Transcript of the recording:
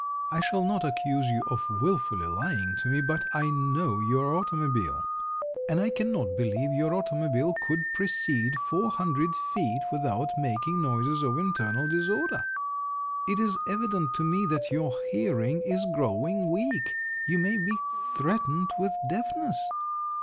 I shall not accuse you of wilfully lying to me, but I know your automobile, and I cannot believe your automobile could proceed four hundred feet without making noises of internal disorder. It is evident to me that your hearing is growing weak; you may be threatened with deafness."